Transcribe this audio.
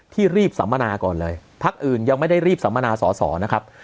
รีบสัมมนาก่อนเลยพักอื่นยังไม่ได้รีบสัมมนาสอสอนะครับ